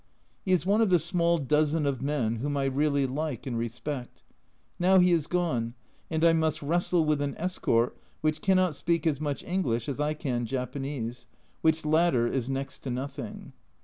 He is one of the small dozen of men whom I really like and respect. Now he is gone, and I must wrestle with an escort which cannot speak as much English as I can Japanese, which latter is next to nothing.